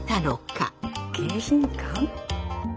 迎賓館？